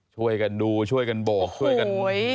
ช่วยกันดูช่วยกันโบกช่วยกัน